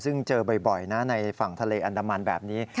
ซึ่งเจอบ่อยนะในฝั่งทะเลอันดามันแบบนี้